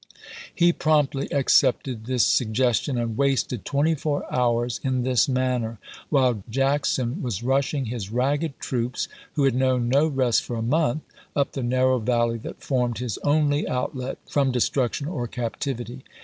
He promptly accepted this suggestion, and wasted twenty four hours in this manner, while Jackson was rushing his ragged troops, who had known no rest for a month, up the narrow valley that formed his only outlet from destruction or captivity.